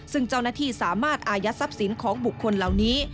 ซึ่งเจ้าหน้าที่สามารถอายัดทรัพย์สินของบุคคลเหล่านี้